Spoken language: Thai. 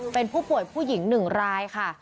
เป็นผู้ป่วยผู้หญิง๑รายค่ะ